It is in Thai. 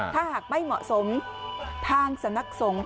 ถ้าหากไม่เหมาะสมทางสำนักสงฆ์